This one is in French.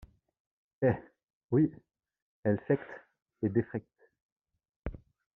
Eh ! oui, elle faict et deffaict.